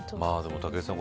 武井さん